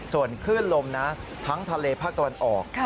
ส่วนขึ้นลมนะทั้งทะเลภาคตำแหน่งออก